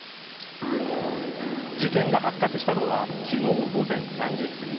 事件が発覚したのは昨日午前３じすぎ。